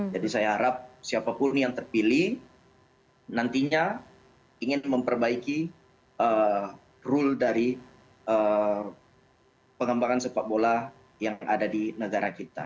jadi saya harap siapapun yang terpilih nantinya ingin memperbaiki rule dari pengembangan sepak bola yang ada di negara kita